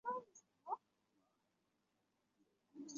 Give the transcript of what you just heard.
里伊圣西尔人口变化图示